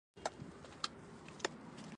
د بوتسوانا کې د سن وګړو ټولنې په اړه جوتېږي.